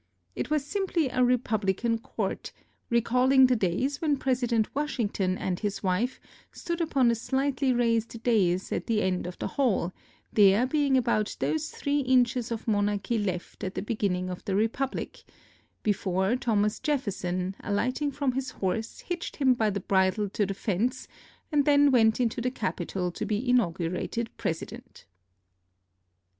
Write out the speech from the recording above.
It was simply a republican court, recalling the days when President Washington and his wife stood upon a slightly raised dais at the end of the hall, there being about those three inches of monarchy left at the beginning of the republic, before Thomas Jefferson, alighting from his horse, hitched him by the bridle to the fence, and then went into the Capitol to be inaugurated President.